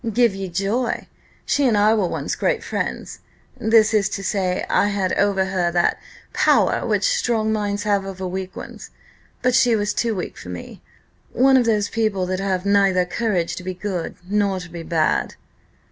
Give ye joy! She and I were once great friends; that is to say, I had over her 'that power which strong minds have over weak ones,' but she was too weak for me one of those people that have neither courage to be good, nor to be bad."